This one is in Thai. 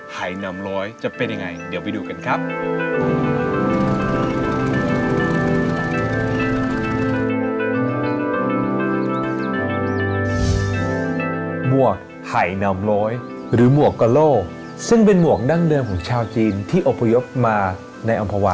หายนำร้อยหรือหมวกกะโล่ซึ่งเป็นหมวกดั้งเดิมของชาวจีนที่อพยพมาในอำภาวะ